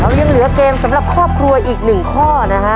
ยังเหลือเกมสำหรับครอบครัวอีกหนึ่งข้อนะฮะ